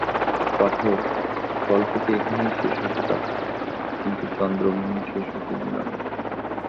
পাঠক, গল্পটি এখানেই শেষ হতে পারত কিন্তু চন্দ্রমোহন শেষ হতে দিল না।